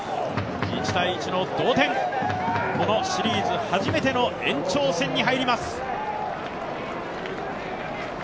１−１の同点、このシリーズ初めての延長戦に入ります。